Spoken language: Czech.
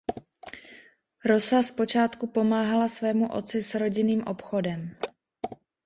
Rosa zpočátku pomáhala svému otci s rodinným obchodem.